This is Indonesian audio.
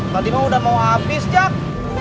tadi mah udah mau habis jack